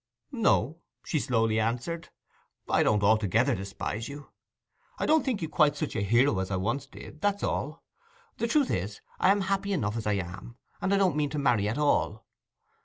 'No,' she slowly answered. 'I don't altogether despise you. I don't think you quite such a hero as I once did—that's all. The truth is, I am happy enough as I am; and I don't mean to marry at all.